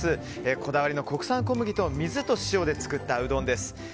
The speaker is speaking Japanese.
こだわりの国産小麦と水と塩で作ったうどんです。